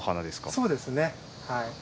そうですねはい。